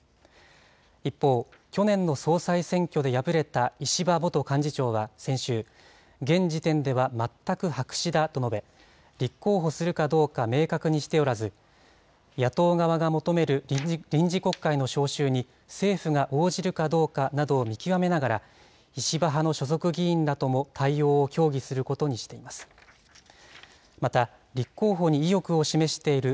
一方、去年の総裁選挙で敗れた石破元幹事長は先週、現時点では全く白紙だと述べ、立候補するかどうか明確にしておらず、野党側が求める臨時国会の召集に政府が応じるかどうかなどを見極めながら、石破派の所属議員らとも対応を協議することにしています。